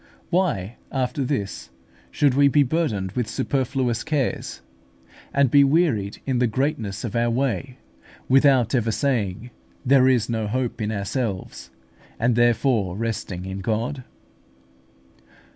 Why, after this, should we be burdened with superfluous cares, and be wearied in the greatness of our way, without ever saying, There is no hope in ourselves, and therefore resting in God?